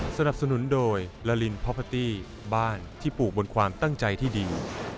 สนับสนุนโดยลาลินพอพาตี้บ้านที่ปลูกบนความตั้งใจที่ดี